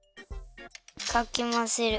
かきまぜる。